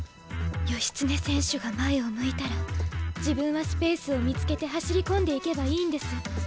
義経選手が前を向いたら自分はスペースを見つけて走り込んでいけばいいんです。